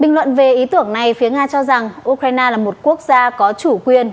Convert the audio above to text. bình luận về ý tưởng này phía nga cho rằng ukraine là một quốc gia có chủ quyền